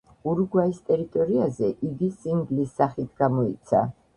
ურუგვაის ტერიტორიაზე იგი სინგლის სახით გამოიცა.